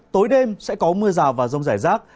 tối đêm sẽ có mưa rào và rông rải rác